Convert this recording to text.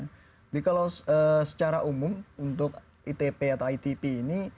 jadi kalau secara umum untuk itp atau itp ini